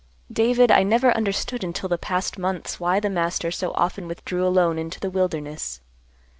"David, I never understood until the past months why the Master so often withdrew alone into the wilderness.